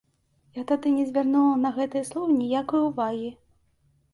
Я тады не звярнула на гэтыя словы ніякай увагі.